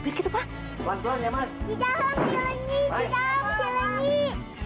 pergi ke far aun